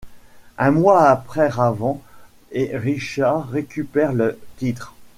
Un mois après Raven et Richards récupèrent le titre.